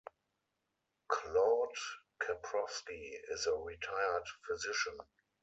Claude Koprowski is a retired physician.